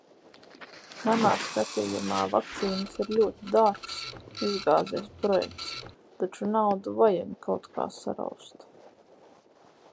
Manā skatījumā vakcīnas ir ļoti dārgs izgāzies projekts, taču naudu vajag kaut kā saraust...